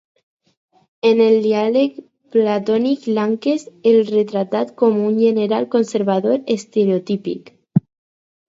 En el diàleg platònic Laques, és retratat com un general conservador estereotípic.